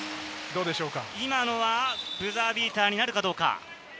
今のはブザービーターになるかどうか？